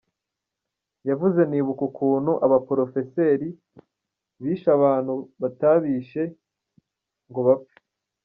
Yavuze nibuka ukuntu abaporofeseri bishe abantu batabishe ngo bapfe.